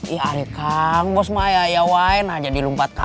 iya iya kang bos mah ayawain aja di lumpatka